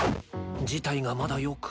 事態がまだよく。